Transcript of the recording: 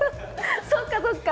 そっかそっか。